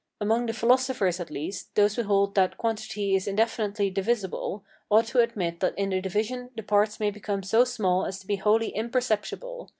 Among the philosophers at least, those who hold that quantity is indefinitely divisible, ought to admit that in the division the parts may become so small as to be wholly imperceptible.